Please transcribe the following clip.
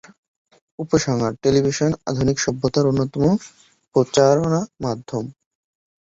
উপসংহার: টেলিভিশন আধুনিক সভ্যতার অন্যতম প্রচারমাধ্যম।